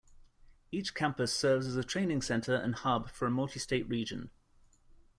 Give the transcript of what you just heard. Each campus serves as a training center and hub for a multi-state region.